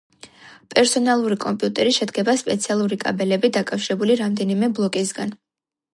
პერსონალური კომპიუტერი შედგება სპეციალური კაბელებით დაკავშირებული რამდენიმე ბლოკისგან.